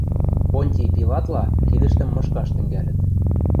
Понтий Пилатла кидӹштӹм мышкаш тӹнгӓлӹт.